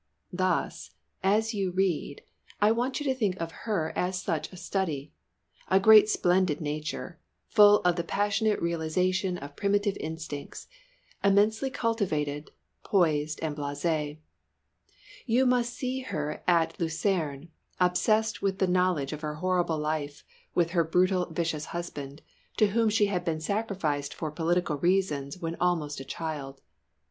Thus, as you read, I want you to think of her as such a study. A great splendid nature, full of the passionate realisation of primitive instincts, immensely cultivated, polished, blasé. You must see her at Lucerne, obsessed with the knowledge of her horrible life with her brutal, vicious husband, to whom she had been sacrificed for political reasons when almost a child.